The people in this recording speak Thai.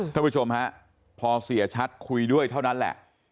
ท่านผู้ชมฮะพอเสียชัดคุยด้วยเท่านั้นแหละ